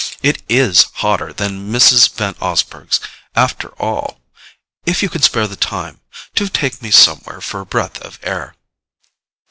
"It IS hotter than Mrs. Van Osburgh's, after all. If you can spare the time, do take me somewhere for a breath of air."